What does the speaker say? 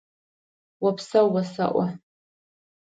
Опсэу осэӏо!